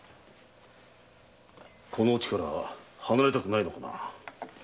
この家から離れたくないのかな？